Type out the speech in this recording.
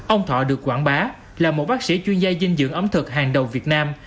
ông thọ được quảng bá là một bác sĩ chuyên gia dinh dưỡng ấm thực hàng đầu việt nam